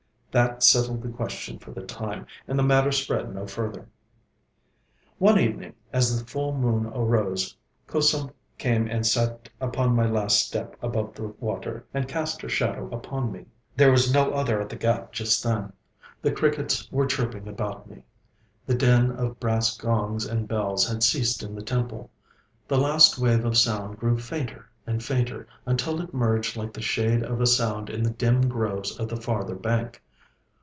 That settled the question for the time, and the matter spread no further. One evening, as the full moon arose, Kusum came and sat upon my last step above the water, and cast her shadow upon me. There was no other at the ghāt just then. The crickets were chirping about me. The din of brass gongs and bells had ceased in the temple the last wave of sound grew fainter and fainter, until it merged like the shade of a sound in the dim groves of the farther bank.